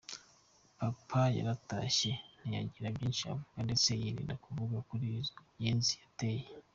Papa yaratashye ntiyagira byinshi avuga ndetse yirinda kuvuga kuri izo “Nyenzi” zateye.